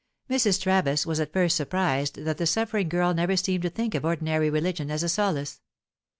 Mrs. Travis was at first surprised that the suffering girl never seemed to think of ordinary religion as a solace.